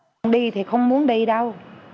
không đi thì không muốn đi đâu